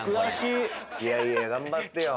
いやいや頑張ってよ